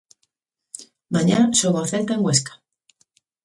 Mañá xoga o Celta en Huesca.